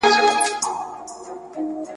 د ځان په ویر یم غلیمانو ته اجل نه یمه ,